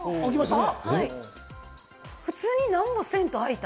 普通に何もせんと開いた。